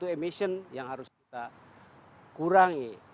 satu emission yang harus kita kurangi